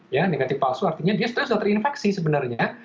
ya negatif palsu artinya dia sudah terinfeksi sebenarnya